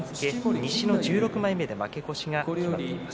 西の１６枚目で負け越しが決まっています。